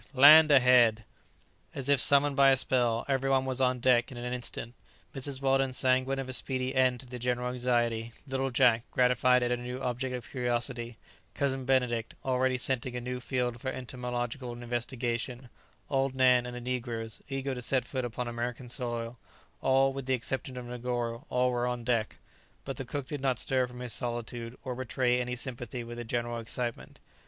Land ahead!" As if summoned by a spell, every one was on deck in an instant: Mrs. Weldon, sanguine of a speedy end to the general anxiety; little Jack, gratified at a new object of curiosity; Cousin Benedict, already scenting a new field for entomological investigation; old Nan; and the negroes, eager to set foot upon American soil; all, with the exception of Negoro, all were on deck; but the cook did not stir from his solitude, or betray any sympathy with the general excitement.